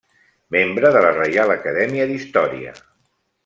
Membre de la Reial Acadèmia d'Història.